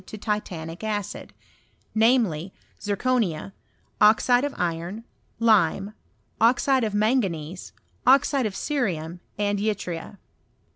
225 to titanic acid; namely, zirconia, oxide of iron, lime, oxide of manganese, oxide of cerium, and yttria.